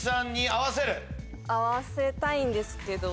合わせたいんですけど。